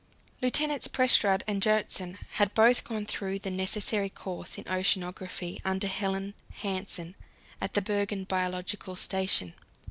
Lieutenants Prestrud and Gjertsen had both gone through the necessary course in oceanography under Helland Hansen at the Bergen biological station.